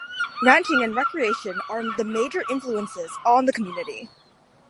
Ranching and recreation are the major influences on the community.